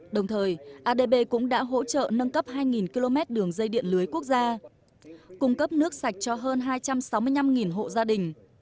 đồng thời adb cũng đã hỗ trợ nâng cấp hai km đường dây điện lưới quốc gia cung cấp nước sạch cho hơn hai trăm sáu mươi năm hộ gia đình